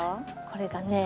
これがね